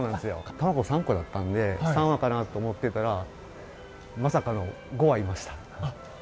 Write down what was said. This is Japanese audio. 卵３個だったんで、３羽かなと思ってたら、まさかの５羽いました。